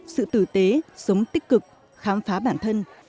sự tử tế sống tích cực khám phá bản thân